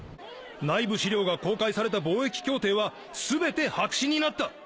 内部資料が公開された貿易協定は全て白紙になった！